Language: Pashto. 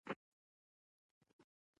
ژبه د شخړو د حل یوه لاره ده